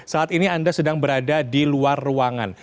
saat ini anda sedang berada di luar ruangan